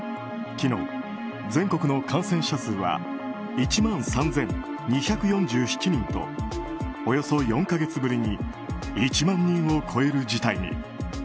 昨日、全国の感染者数は１万３２４７人とおよそ４か月ぶりに１万人を超える事態に。